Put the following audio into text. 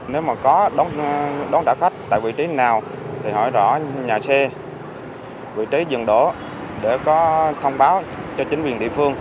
nếu mà có đón trả khách tại vị trí nào thì hỏi rõ nhà xe vị trí dừng đổ để có thông báo cho chính quyền địa phương